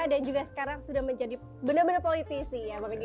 dan juga sekarang sudah menjadi benar benar politisi ya